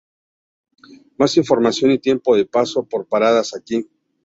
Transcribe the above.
Más información y tiempo de paso por paradas aqui.